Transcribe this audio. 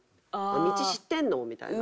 「道知ってんの？」みたいな。